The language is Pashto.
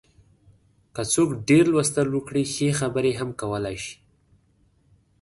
که څوک ډېر لوستل وکړي، ښه خبرې هم کولای شي.